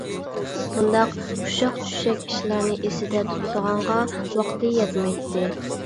بۇنداق ئۇششاق-چۈششەك ئىشلارنى ئېسىدە تۇتىدىغانغا ۋاقتى يەتمەيتتى.